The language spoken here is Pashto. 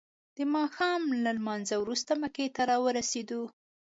د ماښام له لمانځه وروسته مکې ته راورسیدو.